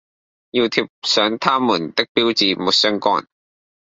要貼上它們的標誌沒相干